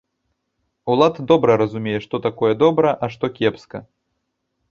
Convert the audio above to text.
Улад добра разумее, што такое добра, а што кепска.